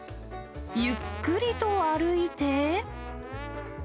ゆっくりと歩いて。